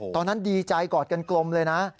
ตอนนั้นดีใจกอดกันกลมเลยนะ